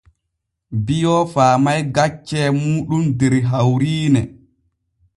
Bio faamay gaccee muuɗum der hawriine.